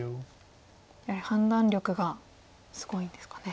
やはり判断力がすごいんですかね。